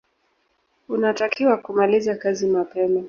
Unatakiwa kumaliza kazi mapema.